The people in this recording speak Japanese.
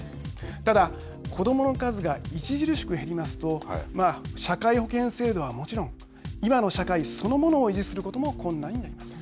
ただ子どもの数が著しく減りますと社会保険制度はもちろん今の社会そのものを維持することも困難になります。